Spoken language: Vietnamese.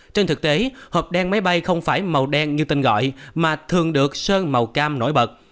trên thực tế hộp đen máy bay không phải màu đen như tên gọi mà thường được sơn màu cam nổi bật